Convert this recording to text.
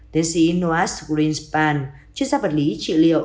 tiến sĩ noah greenspan chuyên gia vật lý trị liệu